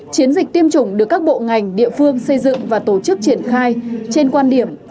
chiến dịch tiêm chủng được các bộ ngành địa phương xây dựng và tổ chức triển khai trên quan điểm